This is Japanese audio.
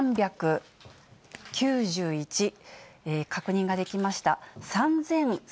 確認ができました。